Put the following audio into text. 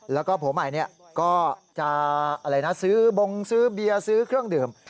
แล้วก็ผัวใหม่ก็จะซื้อบงซื้อเบียร์ซื้อเครื่องดื่ม